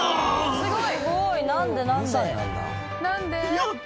すごい。